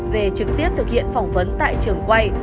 về trực tiếp thực hiện phỏng vấn tại trường quay